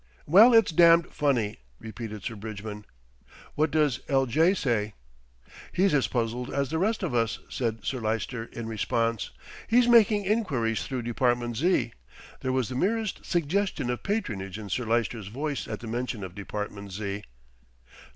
"Well, it's damned funny," repeated Sir Bridgman. "What does L. J. say?" "He's as puzzled as the rest of us," said Sir Lyster in response. "He's making enquiries through Department Z." There was the merest suggestion of patronage in Sir Lyster's voice at the mention of Department Z.